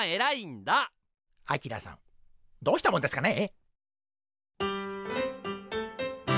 アキラさんどうしたもんですかね？